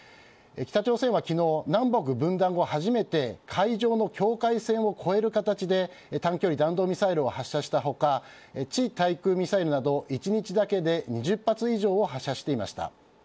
北朝鮮は昨日南北分断後、初めて海上の境界線を越える形で短距離弾道ミサイルを発射した他地対空ミサイルなど、１日だけで２０発以上、発射していました。